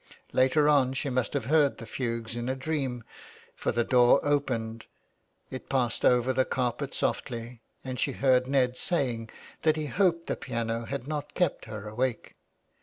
Later on she must have heard the fugues in a dream, for the door opened ; it passed over the carpet softly ; and she heard Ned saying that he hoped the piano had not kept her awake.